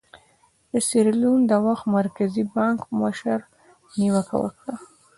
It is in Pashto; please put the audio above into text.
د سیریلیون د وخت د مرکزي بانک مشر نیوکه وکړه.